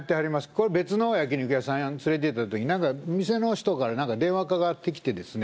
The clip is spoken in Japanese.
これ別の焼き肉屋さん連れてった時に何か店の人から何か電話かかってきてですね